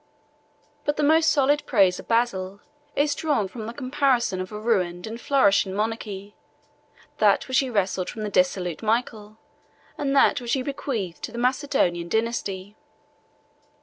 But the most solid praise of Basil is drawn from the comparison of a ruined and a flourishing monarchy, that which he wrested from the dissolute Michael, and that which he bequeathed to the Mecedonian dynasty.